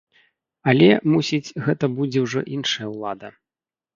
Але, мусіць, гэта будзе ўжо іншая ўлада.